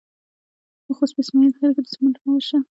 د خوست په اسماعیل خیل کې د سمنټو مواد شته.